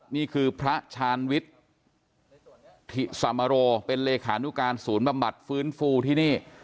นี่คือพระชาญวิทย์ธิสามโรเป็นเลขานุการศูนย์บำบัดฟื้นฟูที่นี่